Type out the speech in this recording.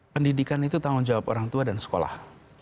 pendidikan itu tanggung jawab orang tua dan sekolah